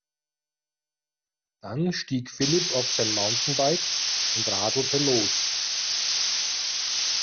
Dann stieg Philipp auf sein Mountainbike und radelte los.